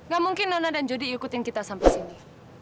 gak mungkin nona dan jody ikutin kita sampai sini